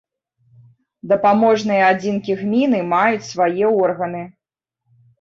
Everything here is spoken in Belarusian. Дапаможныя адзінкі гміны маюць свае органы.